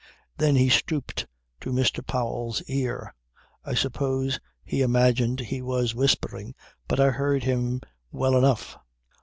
Then he stooped to Mr. Powell's ear I suppose he imagined he was whispering, but I heard him well enough.